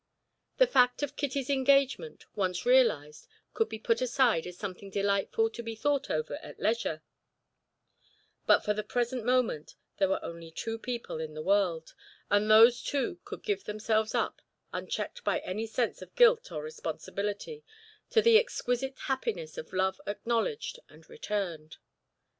The fact of Kitty's engagement, once realized, could be put aside as something delightful to be thought over at leisure; but for the present moment there were only two people in the world, and those two could give themselves up, unchecked by any sense of guilt or responsibility, to the exquisite happiness of love acknowledged and returned.